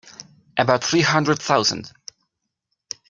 About three hundred thousand.